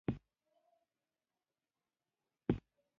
کوټې مې ولیدلې او پر یوه دېوال پوسټرونه لګېدلي وو.